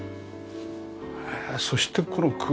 そしてこの空間。